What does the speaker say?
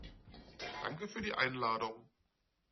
Danke für die Einladung.